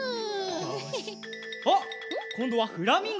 あっこんどはフラミンゴだ！